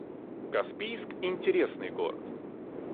Каспийск — интересный город